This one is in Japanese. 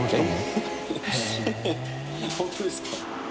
本当ですか？